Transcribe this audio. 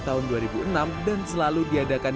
tahun dua ribu enam dan selalu diadakan